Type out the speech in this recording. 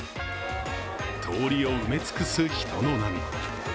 通りを埋め尽くす人の波。